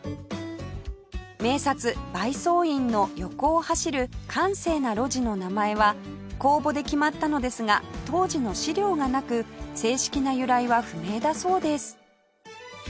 名刹梅窓院の横を走る閑静な路地の名前は公募で決まったのですが当時の資料がなく正式な由来は不明だそうです